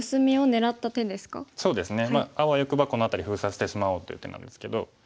あわよくばこの辺り封鎖してしまおうという手なんですけど。